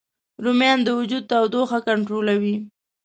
رومیان د وجود تودوخه کنټرولوي